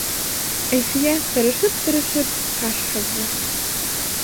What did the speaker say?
Әлфиә тырышып-тырышып ҡаш һыҙҙы.